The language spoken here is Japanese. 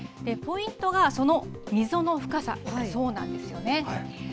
ポイントがその溝の深さなんだそうなんです。